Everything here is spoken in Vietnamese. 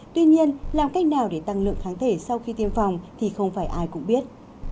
tuy nhiên làm cách nào để tăng lượng kháng thể sau khi tiêm phòng thì không phải ai cũng biết